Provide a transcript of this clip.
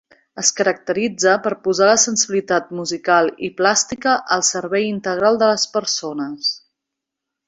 Es caracteritza per posar la sensibilitat musical i plàstica al servei integral de les persones.